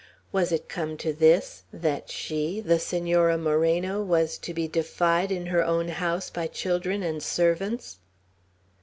Was it come to this, that she, the Senora Moreno, was to be defied in her own house by children and servants!